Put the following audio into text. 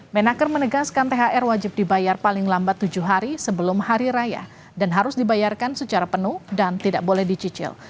menaker menegaskan thr wajib dibayar paling lambat tujuh hari sebelum hari raya dan harus dibayarkan secara penuh dan tidak boleh dicicil